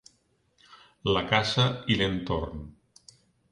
La casa i l'entorn.